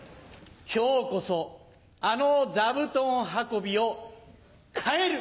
今日こそあの座布団運びを変える！